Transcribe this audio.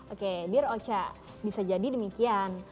oke dear ocha bisa jadi demikian